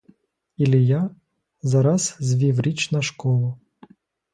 Ілія зараз звів річ на школу.